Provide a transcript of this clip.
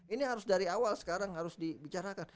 ini harus dari awal sekarang harus dibicarakan